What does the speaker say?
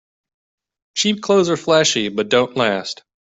Cheap clothes are flashy but don't last.